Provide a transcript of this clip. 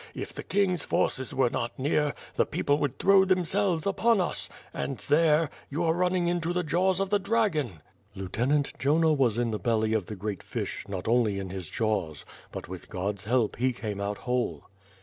If the king's forces were not near, the people would throw them selves upon us, and there — ^you are running into the jaws of the dragon." "Lieutenant, Jonah was in the belly of the great fish, not only in his jaws; but with God's help, he came out whole."